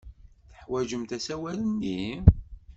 Teḥwajemt asawal-nni?